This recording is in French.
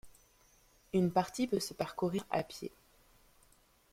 Une partie peut se parcourir à pied.